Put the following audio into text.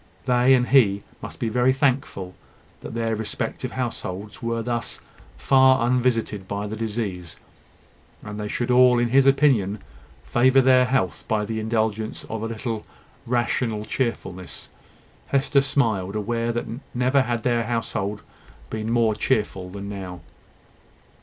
They and he must be very thankful that their respective households were thus far unvisited by the disease; and they should all, in his opinion, favour their health by the indulgence of a little rational cheerfulness. Hester smiled, aware that never had their household been more cheerful than now.